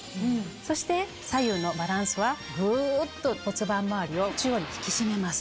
そして左右のバランスはグっと骨盤周りを中央に引き締めます。